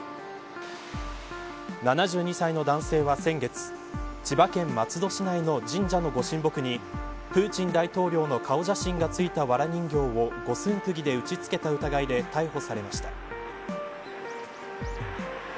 ７２歳の男性は先月千葉県松戸市内の神社のご神木にプーチン大統領の顔写真が付いたわら人形を五寸くぎで打ち付けた疑いで逮捕されました。